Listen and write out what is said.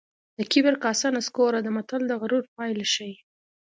د کبر کاسه نسکوره ده متل د غرور پایله ښيي